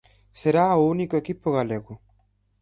Será o único equipo galego.